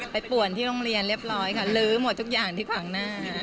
ป่วนที่โรงเรียนเรียบร้อยค่ะลื้อหมดทุกอย่างที่ขวางหน้า